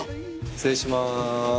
失礼します。